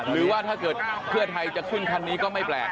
หรือว่าถ้าเกิดเพื่อไทยจะขึ้นคันนี้ก็ไม่แปลก